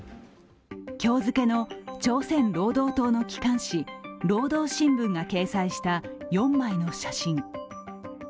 今日付けの朝鮮労働党の機関紙「労働新聞」が掲載した４枚の写真。